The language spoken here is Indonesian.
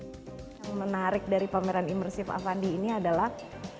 yang menarik dari pameran imersif avandi ini adalah